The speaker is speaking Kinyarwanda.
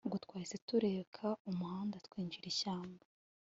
ubwo twahise tureka, umuhanda twinjira iyishyamba